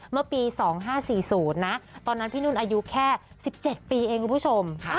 เมื่อปี๒๕๔๐นะตอนนั้นพี่นุ่นอายุแค่๑๗ปีเองคุณผู้ชม